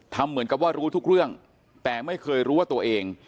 เหมือนกับว่ารู้ทุกเรื่องแต่ไม่เคยรู้ว่าตัวเอง